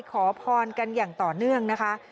ขอพรกันอย่างต่อเนื่องนะคะ